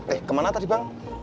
eh kemana tadi bang